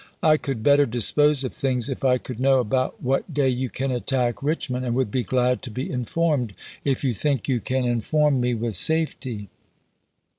I could better dispose of things if I could know about what day you can attack Richmond, and would be glad to be informed, if you think you can ibid.,p.233. inform me with safety.